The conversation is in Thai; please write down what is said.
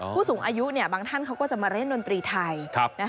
ผู้สูงอายุบางท่านเขาก็จะมาเล่นดนตรีไทย